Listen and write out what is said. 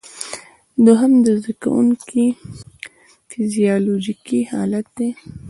دوهم د زده کوونکي فزیالوجیکي حالت دی.